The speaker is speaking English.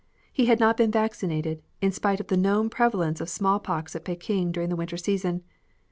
He had not been vaccinated, in spite of the known prevalence of smallpox at Peking during the winter season.